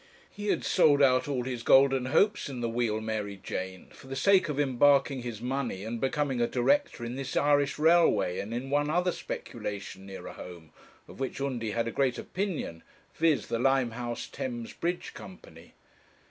He had sold out all his golden hopes in the Wheal Mary Jane for the sake of embarking his money and becoming a director in this Irish Railway, and in one other speculation nearer home, of which Undy had a great opinion, viz.: the Limehouse Thames Bridge Company.